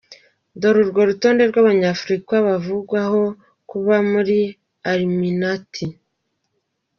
Dore urwo rutonde rw’abanyafurika bavugwaho kuba muri Illuminati:.